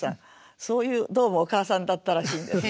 そういうどうもお母さんだったらしいんです。